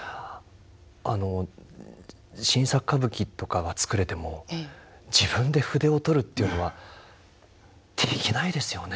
あの新作歌舞伎とかは作れても自分で筆を執るっていうのはできないですよね。